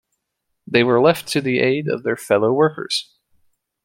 They were left to the aid of their fellow workers.